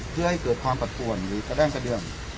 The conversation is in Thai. เผื่อให้เกิดความปรัฐกวรหรือแกร้งกระเดือน